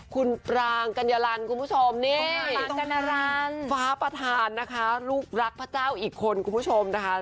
คุณปรางกัญญาลันคุณผู้ชมนี่ฟ้าประธานนะคะลูกรักพระเจ้าอีกคนคุณผู้ชมนะคะ